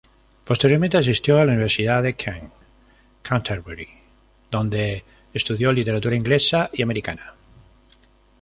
Posteriormente asistió a la Universidad de Kent, Canterbury donde estudió Literatura Inglesa y Americana.